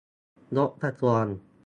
งบกระทรวง